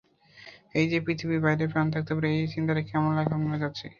এই যে পৃথিবীর বাইরে প্রাণ থাকতে পারে, এই চিন্তাটা কেমন লাগে আপনার কাছে?